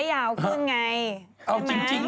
เค้าเป็นโปเคมอนกลางคืน